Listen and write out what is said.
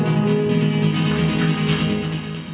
kau anjilai ku salah salah